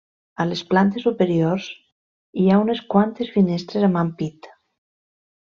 A les plantes superiors, hi ha unes quantes finestres amb ampit.